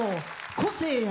個性や。